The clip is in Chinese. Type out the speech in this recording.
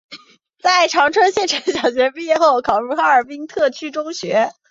在长春县城小学毕业后考入哈尔滨特区中学。